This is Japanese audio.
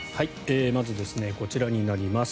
まず、こちらになります。